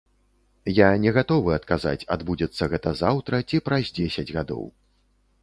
Я не гатовы адказаць, адбудзецца гэта заўтра ці праз дзесяць гадоў.